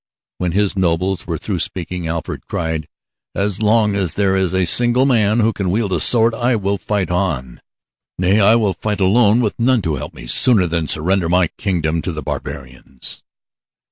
When his nobles were through speaking, Alfred cried: "As long as there is a single man who can wield a sword, I will fight on. Nay, I will fight alone with none to help me, sooner than surrender my kingdom to the barbarians."